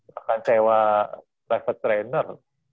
bahkan sewa private trainer